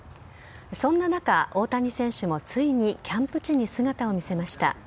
そんな中、大谷選手もついにキャンプ地に姿を見せました。